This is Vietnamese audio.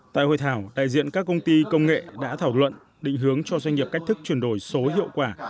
tại hội thảo đại diện các công ty công nghệ đã thảo luận định hướng cho doanh nghiệp cách thức chuyển đổi số hiệu quả